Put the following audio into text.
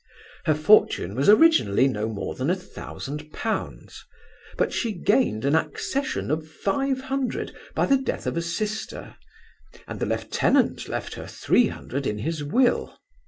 Her fortune was originally no more than a thousand pounds; but she gained an accession of five hundred by the death of a sister, and the lieutenant left her three hundred in his will.